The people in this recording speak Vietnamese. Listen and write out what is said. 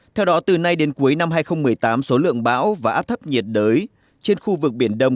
theo đó từ nay đến cuối năm hai nghìn một mươi tám số lượng bão và áp thấp nhiệt đới trên khu vực biển đông